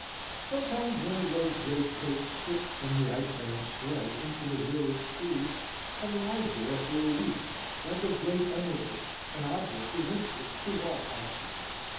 Sometimes one of those great cakes slips from the ice man's sled into the village street, and lies there for a week like a great emerald, an object of interest to all passers.